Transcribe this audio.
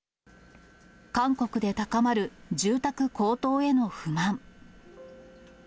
韓国で高まる住宅高騰への不満。